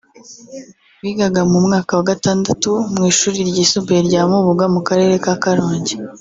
wigaga mu mwaka wa Gatandatu mu ishuri ryisumbuye rya Mubuga mu Karere ka Karongi